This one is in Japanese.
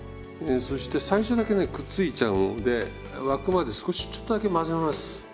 そして最初だけねくっついちゃうんで沸くまで少しちょっとだけ混ぜます。